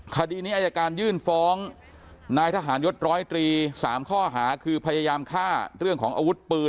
คดีนี้อายการยื่นฟ้องนายทหารยศร้อยตรี๓ข้อหาคือพยายามฆ่าเรื่องของอาวุธปืน